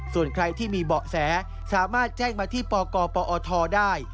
ส่วนใครที่มีเบาะแสสามารถแจ้งมาที่ปกปอทได้